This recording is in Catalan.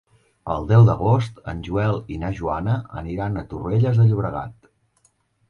El deu d'agost en Joel i na Joana aniran a Torrelles de Llobregat.